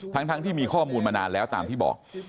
ทั้งที่มีข้อมูลมานานแล้วตามที่บอก